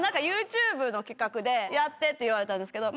ＹｏｕＴｕｂｅの企画でやってって言われたんですけど